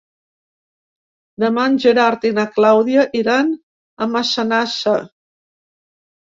Demà en Gerard i na Clàudia iran a Massanassa.